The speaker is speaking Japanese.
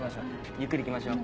ゆっくり行きましょう。